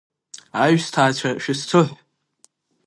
Аҩсҭаацәа шәысҭыҳә.